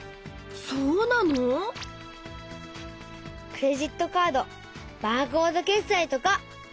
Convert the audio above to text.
そうなの⁉クレジットカードバーコード決済とか！